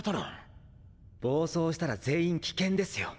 暴走したら全員危険ですよ。